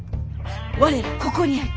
我らここにあり。